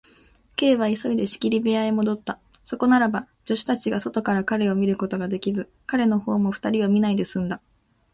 Ｋ は急いで仕切り部屋へもどった。そこならば、助手たちが外から彼を見ることができず、彼のほうも二人を見ないですんだ。